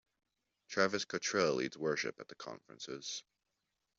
Travis Cottrell leads worship at the conferences.